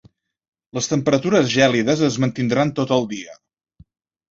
Les temperatures gèlides es mantindran tot el dia.